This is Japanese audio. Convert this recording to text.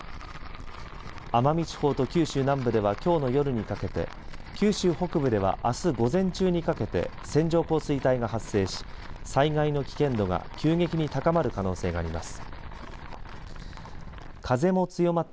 奄美地方と九州南部ではきょうの夜にかけて九州北部ではあす午前中にかけて線状降水帯が発生し災害の危険度が急激に高まる可能性があります。